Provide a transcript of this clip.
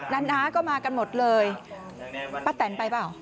น้าก็มากันหมดเลยป้าแตนไปเปล่า